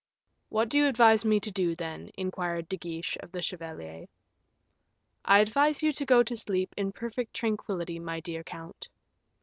"What do you advise me to do, then?" inquired De Guiche of the chevalier. "I advise you to go to sleep in perfect tranquillity, my dear count."